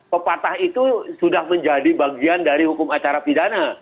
pepatah itu sudah menjadi bagian dari hukum acara pidana